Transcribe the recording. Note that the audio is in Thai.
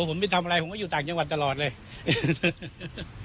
ผมไปทำอะไรผมก็อยู่ต่างจังหวัดตลอดเลย